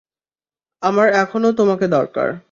আমার এখনও তোমাকে দরকার।